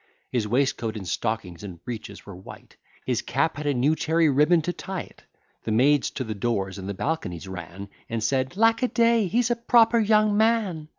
His waistcoat, and stockings, and breeches, were white; His cap had a new cherry ribbon to tie't. The maids to the doors and the balconies ran, And said, "Lack a day, he's a proper young man!"